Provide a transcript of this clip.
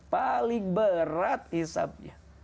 paling berat isamnya